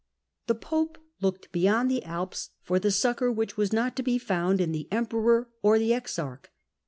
The pope looked beyond the Alps for the succour which was not to be found in the emperor or the exarch.